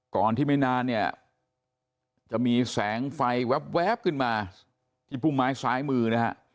ก่อนที่ไม่นานเนี่ยจะมีแสงไฟแว๊บขึ้นมาที่พุ่มไม้ซ้ายมือนะฮะ